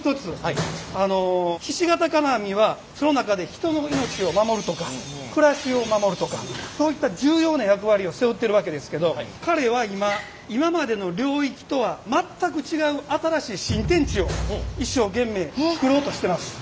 ひし形金網はその中で人の命を守るとか暮らしを守るとかそういった重要な役割を背負ってるわけですけど彼は今今までの領域とは全く違う新しい新天地を一生懸命作ろうとしてます。